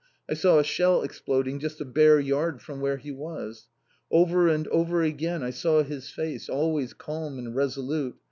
I saw a shell exploding just a bare yard from where he was. Over and over again I saw his face, always calm and resolute.